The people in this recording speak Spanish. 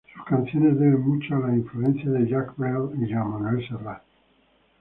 Sus canciones deben mucho a la influencia de Jacques Brel y Joan Manuel Serrat.